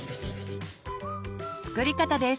作り方です。